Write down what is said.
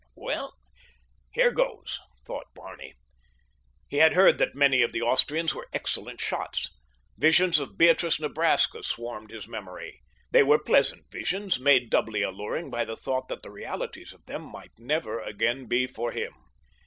"Well, here goes," thought Barney. He had heard that many of the Austrians were excellent shots. Visions of Beatrice, Nebraska, swarmed his memory. They were pleasant visions, made doubly alluring by the thought that the realities of them might never again be for him.